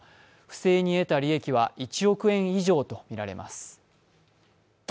不正に得た利益は１億円以上とみられます。